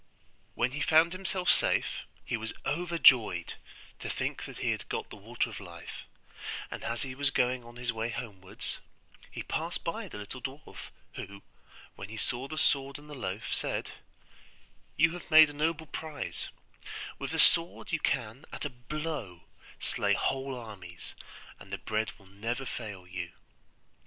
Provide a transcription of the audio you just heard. When he found himself safe, he was overjoyed to think that he had got the Water of Life; and as he was going on his way homewards, he passed by the little dwarf, who, when he saw the sword and the loaf, said, 'You have made a noble prize; with the sword you can at a blow slay whole armies, and the bread will never fail you.